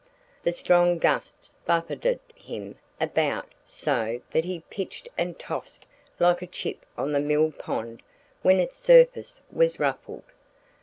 The strong gusts buffeted him about so that he pitched and tossed like a chip on the mill pond when its surface was ruffled.